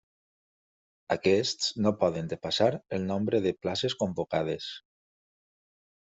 Aquests no poden depassar el nombre de places convocades.